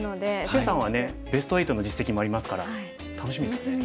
謝さんはベスト８の実績もありますから楽しみですよね。